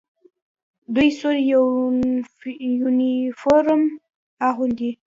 دوی سور یونیفورم اغوندي.